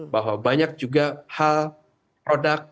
bahwa banyak juga hal produk